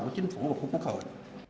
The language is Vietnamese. của chính phủ và quốc hội